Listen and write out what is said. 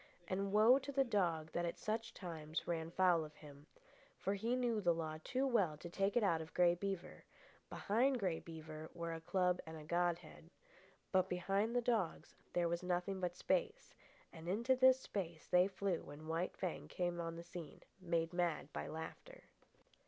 And woe to the dog that at such times ran foul of him. He knew the law too well to take it out of Grey Beaver; behind Grey Beaver were a club and godhead. But behind the dogs there was nothing but space, and into this space they flew when White Fang came on the scene, made mad by laughter.